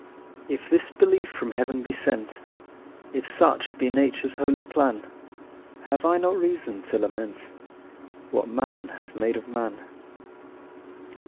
If this belief from heaven be sent, If such be Nature's holy plan, Have I not reason to lament What man has made of man?